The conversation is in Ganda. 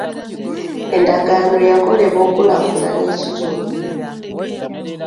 Endagaano yakolebwa okukulaakulanya ekitundu.